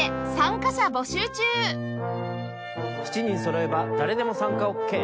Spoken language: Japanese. ７人そろえば誰でも参加オッケー。